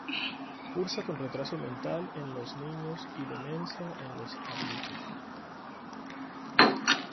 Cursa con retraso mental en los niños y demencia en los adultos.